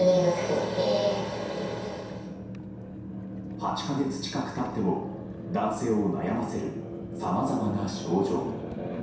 ８か月近く経っても男性を悩ませるさまざまな症状。